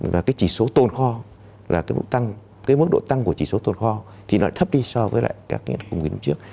và chỉ số tồn kho mức độ tăng của chỉ số tồn kho thì nó thấp đi so với các lĩnh vực công nghiệp trước